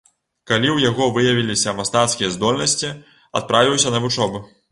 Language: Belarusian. Калі ў яго выявіліся мастацкія здольнасці, адправіўся на вучобу.